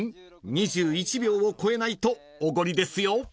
２１秒を超えないとおごりですよ］